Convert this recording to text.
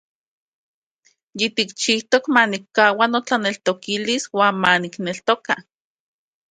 Yitikchijtok manikkaua notlaneltokilis uan manikneltoka.